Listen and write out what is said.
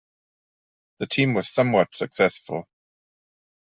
The team was somewhat successful.